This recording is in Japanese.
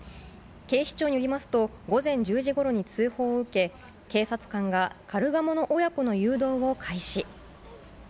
警視庁によりますと、午前１０時ごろに通報を受け、警察官がカルガモの親子の誘導を開始。